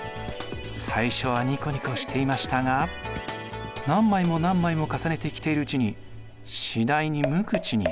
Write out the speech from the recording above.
最初はニコニコしていましたが何枚も何枚も重ねて着ているうちに次第に無口に。